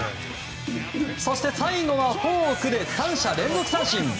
最後はフォークで３者連続三振。